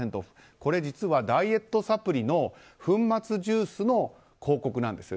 これ実は、ダイエットサプリの粉末ジュースの広告なんです。